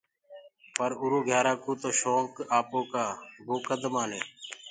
پر اُرو گھيارآ ڪوُ تو شونڪ آپوڪآ وو ڪد مآني۔